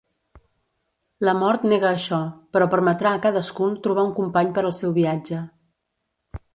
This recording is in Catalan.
La mort nega això, però permetrà a cadascun trobar un company per al seu viatge.